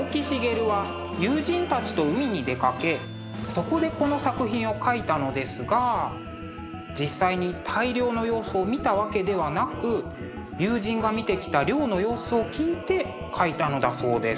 そこでこの作品を描いたのですが実際に大漁の様子を見たわけではなく友人が見てきた漁の様子を聞いて描いたのだそうです。